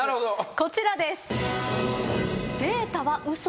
こちらです。